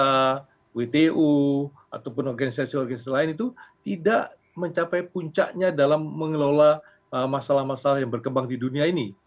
pemerintah wtu ataupun organisasi organisasi lain itu tidak mencapai puncaknya dalam mengelola masalah masalah yang berkembang di dunia ini